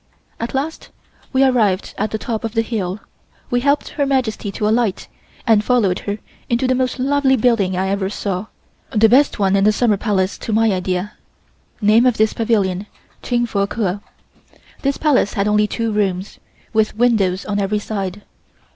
At last we arrived at the top of the hill. We helped Her Majesty to alight and followed her into the most lovely building I ever saw, the best one in the Summer Palace to my idea (name of this pavilion, Ching Fo Ker). This Palace had only two rooms, with windows on every side.